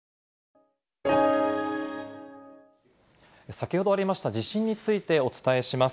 先ほどありました地震についてお伝えします。